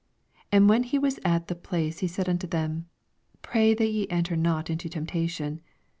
40 And when he was at the place, he said unto them, Pray that ye enter not into temptation.